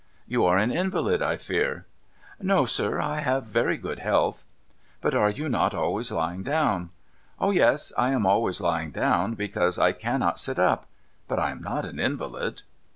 ' You are an invalid, I fear ?'' No, sir. I have very good health.' ' But are you not always lying down ?'' Oh yes, I am always lying down, because I cannot sit up ! But I am not an invalid.'